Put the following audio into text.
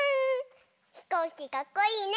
ひこうきかっこいいね！